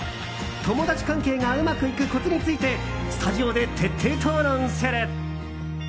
友達関係がうまくいくコツについてスタジオで徹底討論する。